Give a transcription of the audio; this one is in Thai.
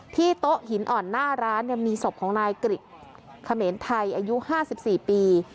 ที่โต๊ะหินอ่อนหน้าร้านเนี่ยมีส่บของนายกริใชคเขม็นไทยอายุห้าสิบสี่ปี